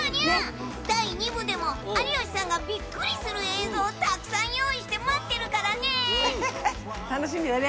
第２部でも有吉さんがびっくりする映像をたくさん用意して待楽しみだね。